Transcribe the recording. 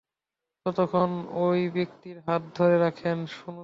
ততক্ষণ ওই ব্যক্তির হাত ধরে রাখেন সনুশা।